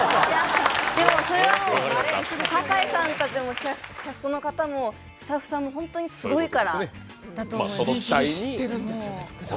それは堺さんたちもキャストの方もスタッフさんも本当にすごいからだと思います